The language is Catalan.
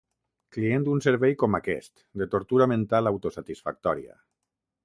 Client d'un servei com aquest de tortura mental autosatisfactòria.